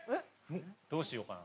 どうしようかな。